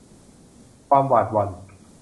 ความหวาดหวั่น